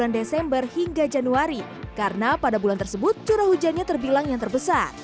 bulan desember hingga januari karena pada bulan tersebut curah hujannya terbilang yang terbesar